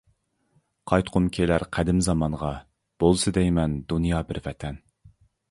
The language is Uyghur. قايتقۇم كېلەر قەدىم زامانغا، بولسا دەيمەن دۇنيا بىر ۋەتەن.